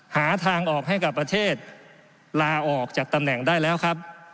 หาทางออกให้กับประเทศลาออกจากตำแหน่งได้แล้วครับ